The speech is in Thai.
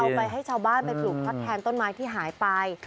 เพื่อจะเอาไปให้ชาวบ้านไปปลูกพัดแทนต้นไม้ที่หายไป